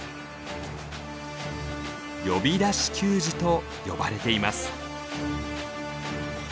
「呼び出し給餌」と呼ばれています。